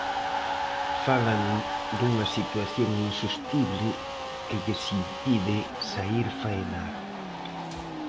Falan dunha situación insostible que lles impide saír faenar.